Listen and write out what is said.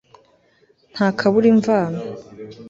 nta kabura imvano